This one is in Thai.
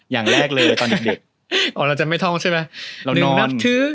อย่างแรกเลยตอนเด็กอ๋อเราจะไม่ท่องใช่ไหมเรานอนถือ